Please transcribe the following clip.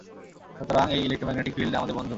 সুতরাং, এই electromagnetic field আমাদের বন্ধু!